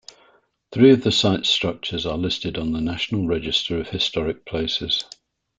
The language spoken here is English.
Three of the site's structures are listed on the National Register of Historic Places.